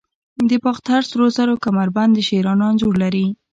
د باختر سرو زرو کمربند د شیرانو انځور لري